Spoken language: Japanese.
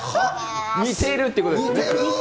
似てるってことですね。